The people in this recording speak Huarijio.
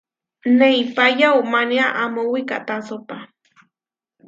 Neipá yaumánia amó wikahtásopa.